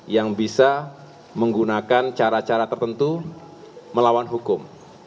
yang bisa menggunakan cara cara tertentu melawan hukum